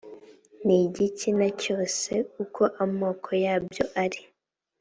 n igik na cyose uko amoko yabyo ari